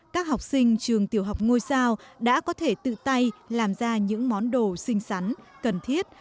các học sinh trường tiểu học ngôi sao đã có thể tự tay làm ra những món đồ xinh xắn cần thiết